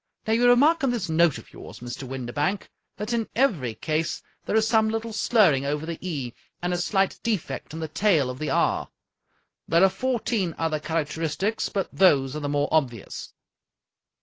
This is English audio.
Now, you re mark in this note of yours, Mr. Windibank, that in every case there is some little slurring over the e, and a slight defect in the tail of the r. There are fourteen other char acteristics, but those are the more obvious."